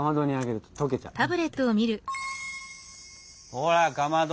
ほらかまど！